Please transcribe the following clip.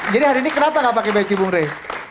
jadi hari ini kenapa gak pakai pc bung rey